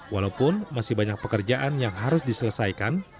walaupun masih banyak pekerjaan yang harus diselesaikan